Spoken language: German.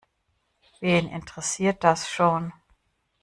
Wen interessiert das schon?